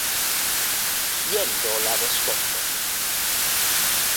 Jen do la respondo.